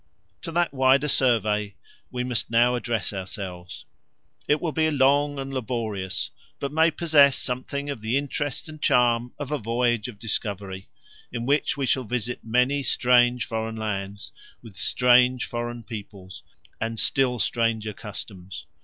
To that wider survey we must now address ourselves. It will be long and laborious, but may possess something of the interest and charm of a voyage of discovery, in which we shall visit many strange foreign lands, with strange foreign peoples, and still stranger customs.